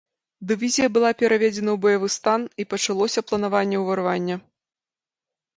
Дывізія была пераведзена ў баявы стан і пачалося планаванне ўварвання.